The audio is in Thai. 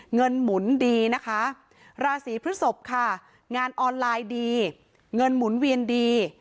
หมุนดีนะคะราศีพฤศพค่ะงานออนไลน์ดีเงินหมุนเวียนดี